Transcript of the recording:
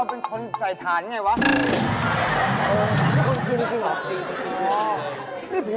เป็นคนที่ไหน